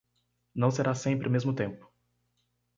Não será sempre o mesmo tempo.